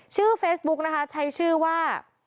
ชื่อเฟซบุ๊กนะคะใช้ชื่อว่า